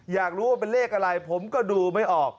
อยากรู้ว่าเป็นเลขอะไรผมก็ดูไม่ออก